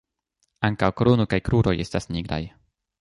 Ankaŭ krono kaj kruroj estas nigraj.